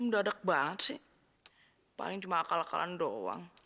mendadak banget sih paling cuma akal akalan doang